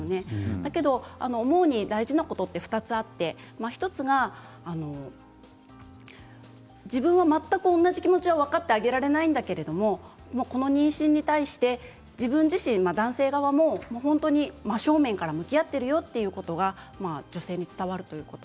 だけど大事なことは２つあって１つは自分は全く同じ気持ちは分かってあげられないんだけれどこの妊娠に関して男性側も本当に真正面から向き合っているよということは女性に伝わるということ。